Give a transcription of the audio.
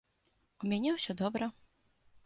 У мяне ўсё добра.